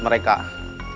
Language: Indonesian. ini enggak ada ini